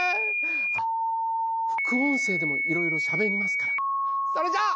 あっ副音声でもいろいろしゃべりますからそれじゃあ。